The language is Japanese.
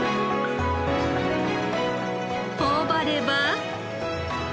頬張れば。